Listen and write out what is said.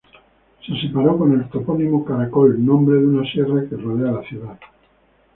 Se separó con el topónimo Caracol, nombre de una sierra que rodea la ciudad.